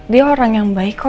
dia orang yang baik kok